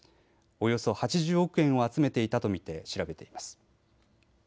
およそ８０億円を集めていたと見て調べています。